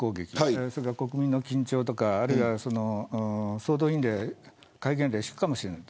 国民の緊張とか総動員令、戒厳令を敷くかもしれない。